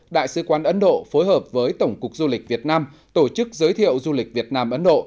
đại sứ quán ấn độ phối hợp với tổng cục du lịch việt nam tổ chức giới thiệu du lịch việt nam ấn độ